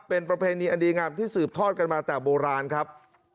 เป็นประเพณีอันดีงามที่สืบทอดกันมาแต่โบราณครับ